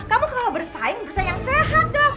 kamu kalau bersaing bisa yang sehat dong